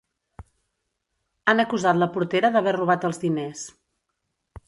Han acusat la portera d'haver robat els diners.